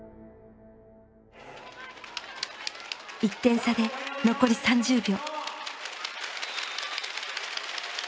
１点差で残り３０秒。